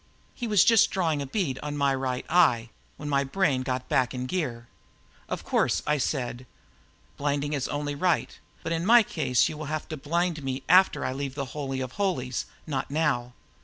He was just drawing a bead on my right eyeball when my brain got back in gear. "Of course," I said, "blinding is only right. But in my case you will have to blind me before I leave the Holy of Holies, not now.